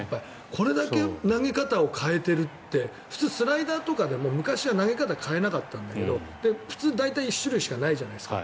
これだけ投げ方を変えているって普通、スライダーとかも昔は投げ方を変えなかったんだけど普通、大体１種類しかないじゃないですか。